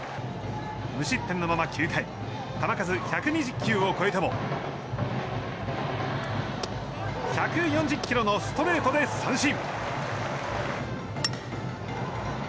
無失点のまま９回球数１２０球を超えても１４０キロのストレートで三振。